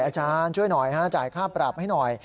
อาจารย์ช่วยหน่อยจ่ายค่าปรับให้หน่อย